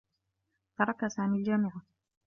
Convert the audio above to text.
ترك سامي الجامعة.